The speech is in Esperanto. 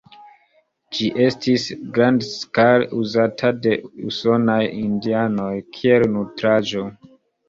Ĝi estis grandskale uzata de usonaj indianoj kiel nutraĵo.